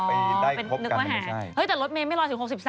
ไปได้ครบกันเป็นไม่ใช่